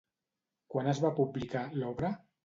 Quan es va publicar, l'obra?